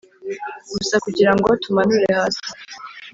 gusa kugirango tumanure hasi.